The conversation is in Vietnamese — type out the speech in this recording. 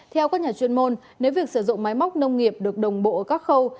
theo các nhà chuyên môn nếu việc sử dụng máy móc nông nghiệp được đồng bộ ở các khâu